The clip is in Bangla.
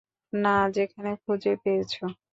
না, যেখানে খুঁজে পেয়েছো।